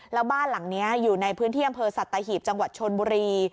แล้วบ้านหลังนี้อยู่ในพื้นที่อำเภอสัตหีบจังหวัดชนบุรี